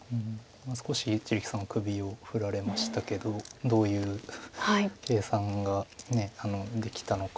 少し一力さんは首を振られましたけどどういう計算がねえできたのか。